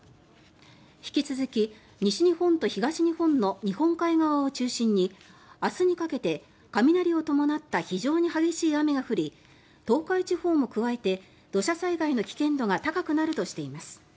引き続き西日本と東日本の日本海側を中心に明日にかけて雷を伴った非常に激しい雨が降り東海地方も加えて土砂災害の危険度が高くなるとしています。